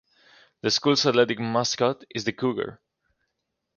The school's athletic mascot is the cougar.